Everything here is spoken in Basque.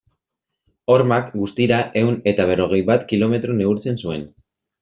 Hormak, guztira ehun eta berrogei bat kilometro neurtzen zuen.